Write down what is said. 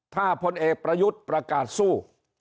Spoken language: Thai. ถ้าพลเอกประยุทธ์ประกาศสู้